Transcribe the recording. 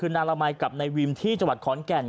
คือนางละมัยกับนายวิมที่จังหวัดขอนแก่น